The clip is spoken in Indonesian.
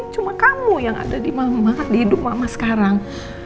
cuma kamu yang ada di malam banget di hidup mama sekarang